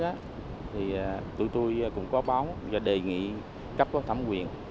chúng tôi cũng có báo và đề nghị cấp có thẩm quyền